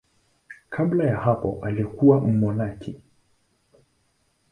Kabla ya hapo alikuwa mmonaki.